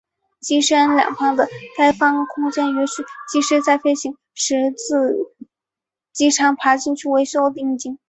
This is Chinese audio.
机身两旁的开放空间允许技师在飞行时自机舱爬出去维修引擎。